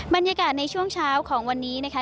บรรยากาศในช่วงเช้าของวันนี้นะคะ